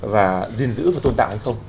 và gìn giữ và tồn tại không